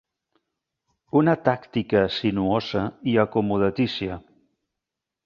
Una tàctica sinuosa i acomodatícia.